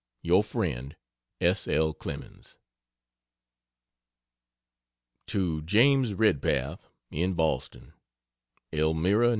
Your friend, S. L. CLEMENS. To James Redpath, in Boston: ELMIRA, N.